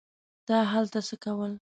تا هلته څه کول.